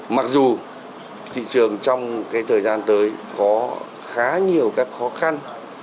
mặc dù thị trường trong thời gian tới có khá nhiều các khó khăn